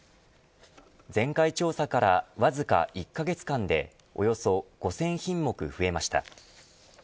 前回調査からわずか１カ月間でおよそ５０００品目増えました。